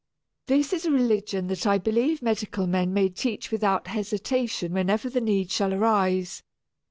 This is a religion that I believe medical men may teach without hesitation whenever the need shall arise.